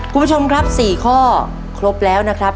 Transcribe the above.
คุณผู้ชมครับ๔ข้อครบแล้วนะครับ